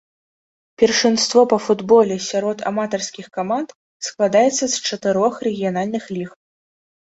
Першынство па футболе сярод аматарскіх каманд складаецца з чатырох рэгіянальных ліг.